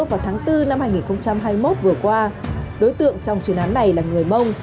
vào tháng bốn năm hai nghìn hai mươi một vừa qua đối tượng trong chuyên án này là người mông